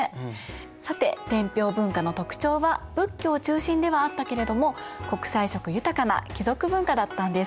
さて天平文化の特徴は仏教中心ではあったけれども国際色豊かな貴族文化だったんです。